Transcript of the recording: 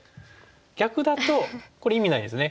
逆だとこれ意味ないですね。